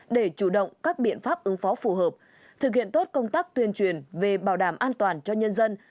để chủ động các biện pháp ứng phó phù hợp thực hiện tốt công tác tuyên truyền về bảo đảm an toàn cho nhân dân